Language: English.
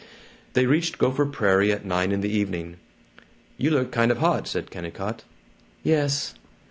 They reached Gopher Prairie at nine in the evening. "You look kind of hot," said Kennicott. "Yes."